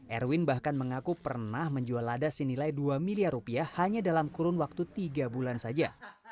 erwin bahkan mengaku pernah menjual lada senilai dua miliar rupiah hanya dalam kurun waktu tiga bulan saja